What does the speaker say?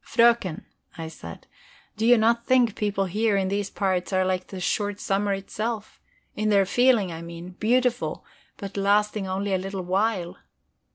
"Fröken," I said, "do you not think people here in these parts are like the short summer itself? In their feeling, I mean? Beautiful, but lasting only a little while?"